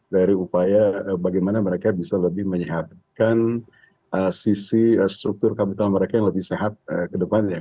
dari upaya bagaimana mereka bisa lebih menyehatkan sisi struktur kapital mereka yang lebih sehat ke depannya